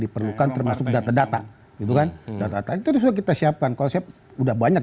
diperlukan termasuk data data itu kan data data itu sudah kita siapkan kalau siap udah banyak